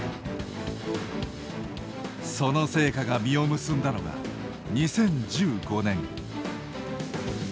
その成果が実を結んだのが２０１５年。